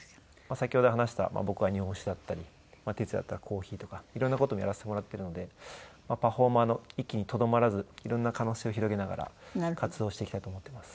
先ほど話した僕は日本酒だったりＴＥＴＳＵＹＡだったらコーヒーとか色んな事もやらせてもらっているのでパフォーマーの域にとどまらず色んな可能性を広げながら活動していきたいと思っています。